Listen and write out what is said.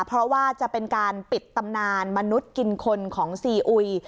เพราะว่าจะเป็นการปิดตำนานมนุษย์กินคนของซีอุย